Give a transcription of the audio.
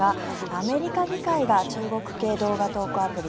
アメリカ議会が中国系動画投稿アプリ